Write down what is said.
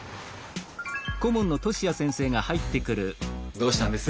どうしたんです？